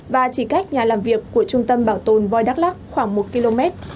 và chỉ cách nhà làm việc của trung tâm bảo tồn voi đắk lắc khoảng một km